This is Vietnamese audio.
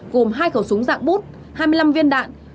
gồm hai khẩu súng dạng bút hai mươi năm viên đạn